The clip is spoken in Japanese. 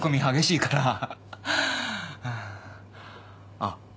あっ。